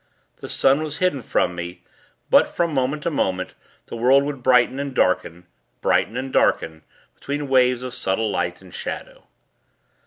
The sun was hidden from me; but, from moment to moment, the world would brighten and darken, brighten and darken, beneath waves of subtle light and shadow....